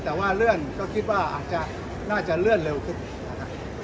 แต่ว่าเลื่อนก็คิดว่าอาจจะน่าจะเลื่อนเร็วขึ้นนะครับ